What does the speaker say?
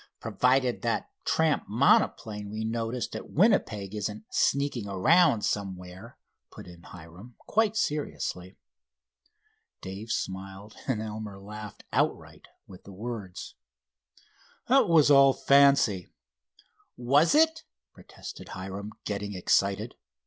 "Provided that tramp monoplane we noticed at Winnipeg isn't sneaking around somewhere," put in Hiram, quite seriously. Dave smiled, and Elmer laughed outright, with the words: "That was all fancy." "Was it?" protested Hiram, getting excited.